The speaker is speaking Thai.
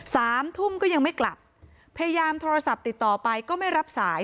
สามทุ่มก็ยังไม่กลับพยายามโทรศัพท์ติดต่อไปก็ไม่รับสาย